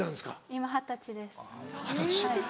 今二十歳です。